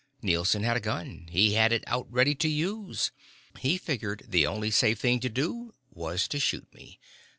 Nielson had a gun. He had it out ready to use. He figured the only safe thing to do was to shoot me.